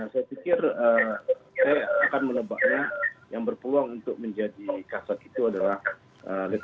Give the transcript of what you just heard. saya pikir saya akan melebaknya yang berpeluang untuk menjadi kasat itu adalah